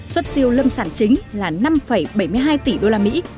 xuất siêu lâm sản chính là năm bảy mươi hai tỷ usd